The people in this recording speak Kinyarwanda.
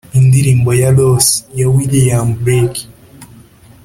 "indirimbo ya los" ya william blake